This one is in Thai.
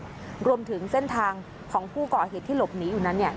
รวมถึงเส้นทางของผู้ก่อเหตุที่หลบหนีอยู่นั้นเนี่ย